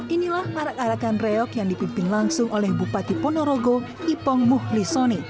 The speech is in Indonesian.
inilah arak arakan reok yang dipimpin langsung oleh bupati ponorogo ipong muhlisoni